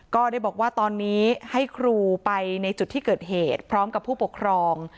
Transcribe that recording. ก็ได้บอกว่าตอนนี้ให้ครูไปในจุดที่เกิดเหตุพร้อมกับผู้ปกครอง